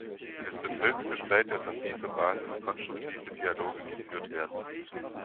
Es wird höchste Zeit, dass auf dieser Basis konstruktive Dialoge geführt werden.